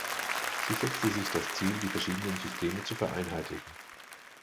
Sie setzte sich das Ziel die verschiedenen Systeme zu vereinheitlichen.